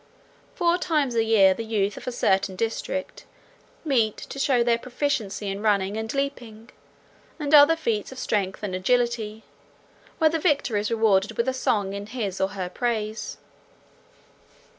Four times a year the youth of a certain district meet to show their proficiency in running and leaping, and other feats of strength and agility; where the victor is rewarded with a song in his or her praise.